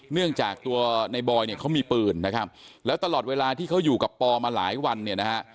เนื่องจากตัวในบอยเนี่ยเขามีปืนนะครับแล้วตลอดเวลาที่เขาอยู่กับปอมาหลายวันเนี่ยนะฮะ